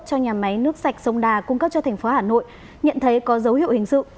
cho nhà máy nước sạch sông đà cung cấp cho thành phố hà nội nhận thấy có dấu hiệu hình sự